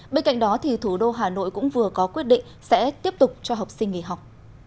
bên cạnh đó thì thủ đô hà nội cũng vừa có quyết định sẽ tiếp tục cho học sinh nghỉ học